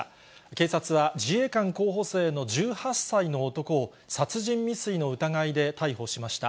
警察は自衛官候補生の１８歳の男を、殺人未遂の疑いで逮捕しました。